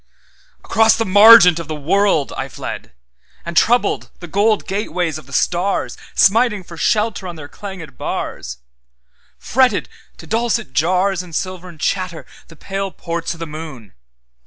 Across the margent of the world I fled, And troubled the gold gateways of the stars, Smiting for shelter on their clangèd bars; Fretted to dulcet jarsAnd silvern chatter the pale ports o' the moon.